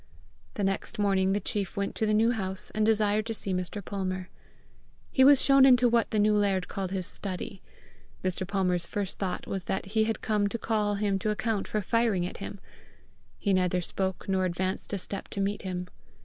The next morning the chief went to the New House, and desired to see Mr. Palmer. He was shown into what the new laird called his study. Mr. Palmer's first thought was that he had come to call him to account for firing at him. He neither spoke nor advanced a step to meet him.